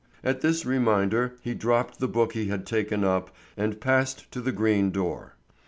At this reminder he dropped the book he had taken up and passed to the green door.